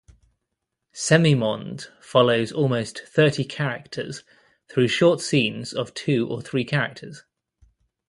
Semi-Monde follows almost thirty characters through short scenes of two or three characters.